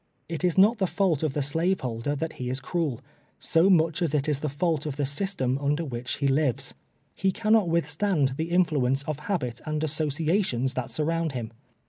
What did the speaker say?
It is not the fault of the slaveholder that he is cruel, so much as it is the fault of the system under which he lives, lie cannot withstand the influence of liabit and associations that surruuiul him.